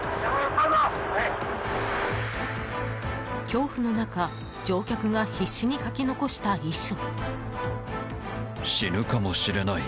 恐怖の中乗客が必死に書き残した遺書。